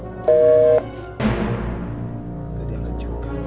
i don't get i angkat